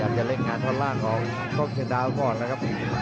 ยังจะเล่นงานฐานล่างขอลงก๊อกเทอร์ดาวก่อนนะครับ